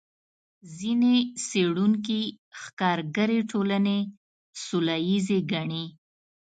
ځینې څېړونکي ښکارګرې ټولنې سوله ییزې ګڼي.